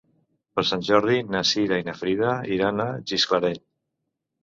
Per Sant Jordi na Cira i na Frida iran a Gisclareny.